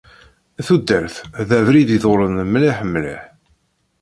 Tudert d abrid iḍulen mliḥ mliḥ.